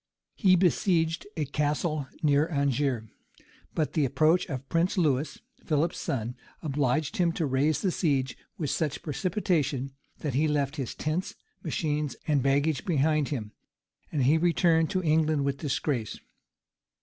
] He besieged a castle near Angiers; but the approach of Prince Lewis, Philip's son, obliged him to raise the siege with such precipitation, that he left his tents, machines, and baggage behind him; and he returned to England with disgrace.